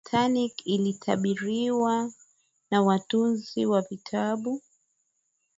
ajali ya titanic ilitabiriwa na watunzi wa vitabu